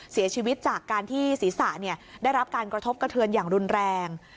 เสียชีวิตจากการที่ศีรษะได้รับการกระทบกระเทือนอย่างรุนแรง